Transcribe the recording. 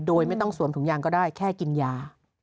โดยไม่ต้องสวมถุงยางก็ได้แค่กินยา